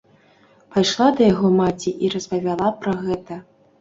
Пайшла да яго маці і распавяла пра гэта.